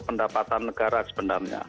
pendapatan negara sebenarnya